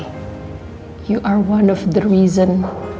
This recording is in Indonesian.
kamu adalah salah satu alasan